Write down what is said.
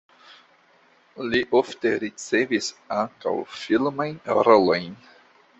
Li ofte ricevis ankaŭ filmajn rolojn.